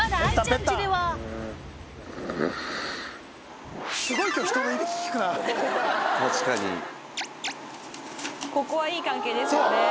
家ではここはいい関係ですよね。